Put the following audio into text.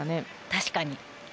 確かに。